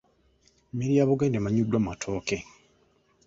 Emmere ya Buganda emanyiddwa matooke.